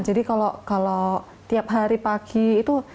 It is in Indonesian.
jadi kalau tiap hari pagi itu